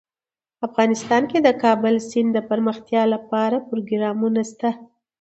افغانستان کې د کابل سیند دپرمختیا لپاره پروګرامونه شته.